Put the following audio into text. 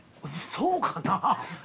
そうかなあ。